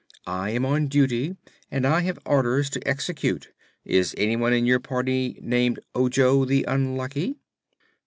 "I am on duty, and I have orders to execute. Is anyone in your party named Ojo the Unlucky?"